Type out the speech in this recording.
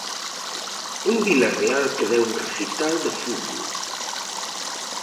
Un Vilarreal que deu un recital de fútbol.